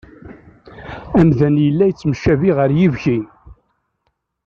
Amdan yella yettemcabi ɣer yibki.